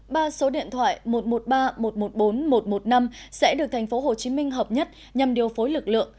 ba số điện thoại một trăm một mươi ba một trăm một mươi bốn một trăm một mươi năm sẽ được tp hcm hợp nhất nhằm điều phối lực lượng